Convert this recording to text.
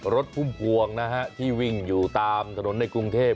พุ่มพวงนะฮะที่วิ่งอยู่ตามถนนในกรุงเทพ